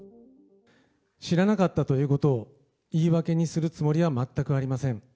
知らなかったということを、言い訳にするつもりは全くありません。